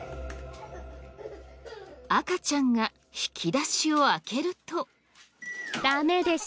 赤ちゃんが引き出しを開けると。